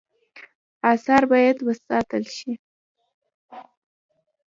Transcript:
آثار باید وساتل شي